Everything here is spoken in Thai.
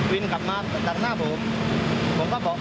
วินสภาพกลับมาจากหน้าผม